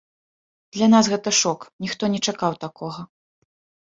Для нас гэта шок, ніхто не чакаў такога.